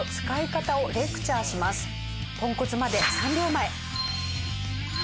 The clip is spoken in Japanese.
ポンコツまで３秒前。